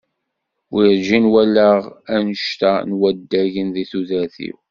Werǧin walaɣ annect-a n waddagen deg tudert-iw.